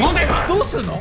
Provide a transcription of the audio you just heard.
どうするの？